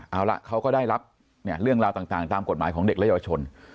เอาละเขาก็ได้รับเรื่องราวต่างตามกฎหมายของเด็กและเยาวชน